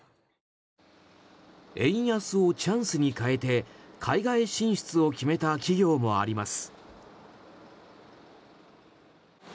円安をチャンスに変えて海外進出を決めた企業もあります。